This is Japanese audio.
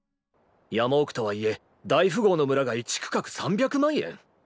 山奥とはいえ大富豪の村が一区画３００万円？